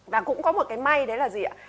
và cũng có một cái may đấy là gì ạ